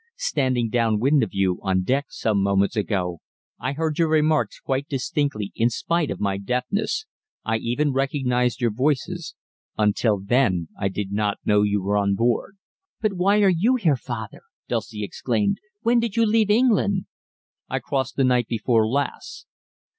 Standing down wind of you, on deck, some moments ago, I heard your remarks quite distinctly, in spite of my deafness. I even recognized your voices until then I did not know you were on board." "But why are you here, father?" Dulcie exclaimed. "When did you leave England?" "I crossed the night before last.